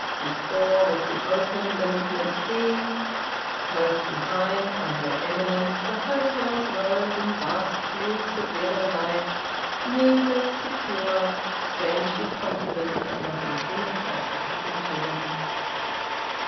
Before, was the open malignant sea. Close behind, on their eminence, the hotels rose in vast cubes of yellow light, moveless, secure, strangely confident that nothing sinister could happen to them.